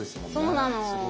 そうなの。